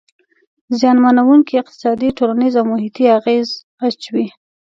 زیانمنووونکي اقتصادي، ټولنیز او محیطي اغیز اچوي.